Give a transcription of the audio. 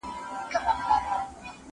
مسلکي زده کړې د کاري ځواک کیفیت لوړوي.